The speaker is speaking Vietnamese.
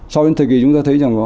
sau đến thời kỳ chúng ta thấy